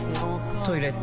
トイレ